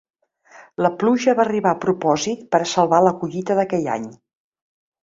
La pluja va arribar a propòsit per a salvar la collita d'aquell any.